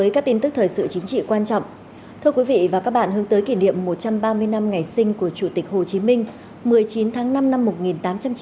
các bạn hãy đăng ký kênh để ủng hộ kênh của chúng mình nhé